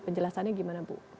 penjelasannya gimana bu